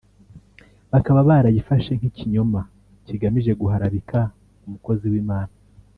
Bakaba barayifashe nk’ikinyoma kigamije guharabika umukozi w’Imana